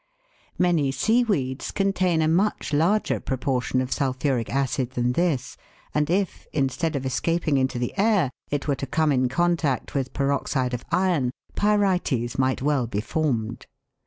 Many seaweeds contain a much larger proportion of sulphuric acid than this, and if, instead of escaping into the air, it were to come in contact with peroxide of iron, pyrites might well be formed.